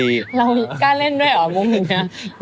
เรากล้าเล่นด้วยเหรอมุมหนึ่งนะ